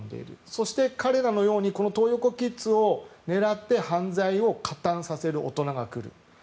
そして、彼らのようにこのトー横キッズを狙って犯罪を加担させる大人が来る。